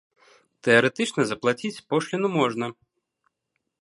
Тэарэтычна заплаціць пошліну можна.